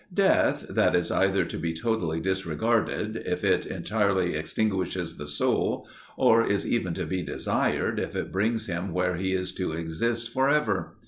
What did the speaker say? Death, that is either to be totally disregarded, if it entirely extinguishes the soul, or is even to be desired, if it brings him where he is to exist forever.